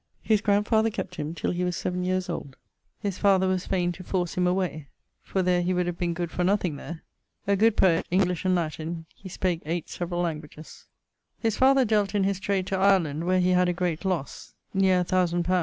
His grandfather kept him till he was 7 years old: his father was faine to force him away, for there he would have been good for nothing there. A good poet, English and Latin. He spake 8 severall languages. His father dealt in his trade to Ireland where he had a great losse, neer 1000 _li.